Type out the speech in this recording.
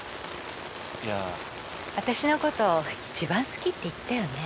私のこと一番好きって言ったよね？